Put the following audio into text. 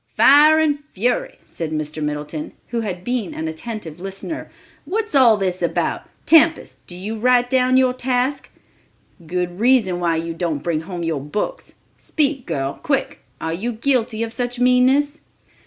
"Fire and fury," said Mr. Middleton, who had been an attentive listener, "what's all this about? Tempest, do you write down your task? Good reason why you don't bring home your books. Speak, girl, quick—are you guilty of such meanness?"